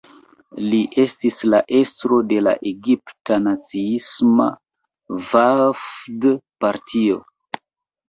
Li estis la estro de la egipta naciisma Vafd-Partio.